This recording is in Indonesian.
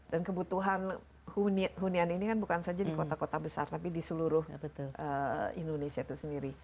dan kebutuhan hunian ini kan bukan saja di kota kota besar tapi di seluruh indonesia itu sendiri